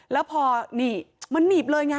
แล้วพอนี่มันหนีบเลยไง